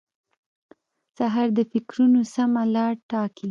سهار د فکرونو سمه لار ټاکي.